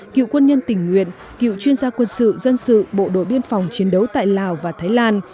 cựu quân nhân tỉnh nguyện cựu chuyên gia quân sự dân sự bộ đội biên phòng chiến đấu tại lào và thái lan